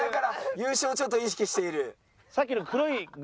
優勝をちょっと意識している。